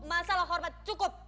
masalah hormat cukup